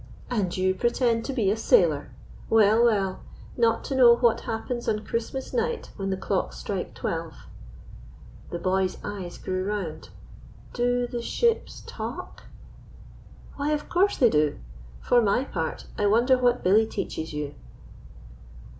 "And you pretend to be a sailor! Well, well not to know what happens on Christmas night when the clocks strike twelve!" The boy's eyes grew round. "Do the ships talk?" "Why, of course they do! For my part, I wonder what Billy teaches you."